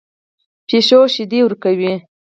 پیشو شیدې ورکوي